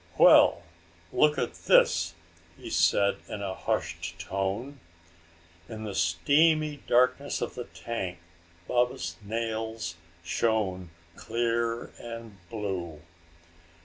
"Well, look at this!" he said in a hushed tone. In the steamy darkness of the tank Baba's nails shone clear and blue.